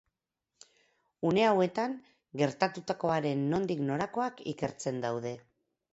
Une hauetan gertatutakoaren nondik norakoak ikertzen daude.